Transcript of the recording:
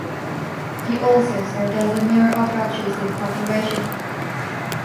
He also served as the mayor of Rajshahi City Corporation.